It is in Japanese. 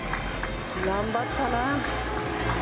頑張ったなあ。